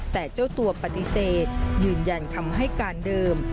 แต่เจ้าตัวปฏิเสธยืนยันคำให้การเดิม